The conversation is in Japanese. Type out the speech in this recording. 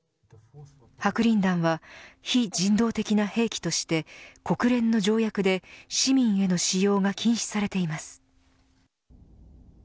白リン弾は非人道的な兵器として国連の条約で市民への使用が禁止されています。